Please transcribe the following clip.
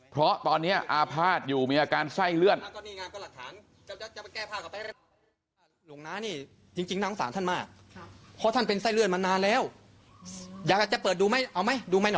เพราะตอนนี้อาภาษณ์อยู่มีอาการไส้เลื่อน